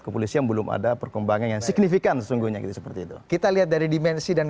kepolisian belum ada perkembangan signifikan sesungguhnya kita lihat dari dimensi dan